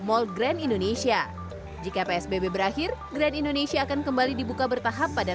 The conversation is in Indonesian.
mall grand indonesia jika psbb berakhir grand indonesia akan kembali dibuka bertahap pada